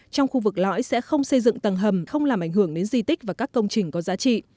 trong khu vực lõi sẽ không xây dựng tầng hầm không làm ảnh hưởng đến di tích và các công trình có giá trị